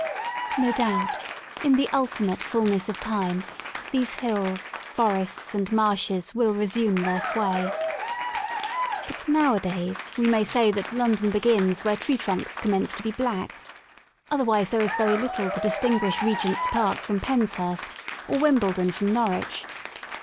No doubt, in the ultimate fullness of time, these hills, forests, and marshes will resume their sway, 35 THE SOUL OF LONDON But nowadays we may say that London begins where tree trunks commence to be black, otherwise there is very little to distinguish Regent's Park from Pens hurst, or Wimbledon from Norwich.